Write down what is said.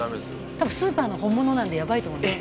多分スーパーの本物なんでヤバいと思います。